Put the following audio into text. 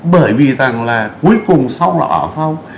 bởi vì rằng là cuối cùng sau là ở sau